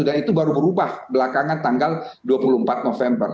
dan itu baru berubah belakangan tanggal dua puluh empat november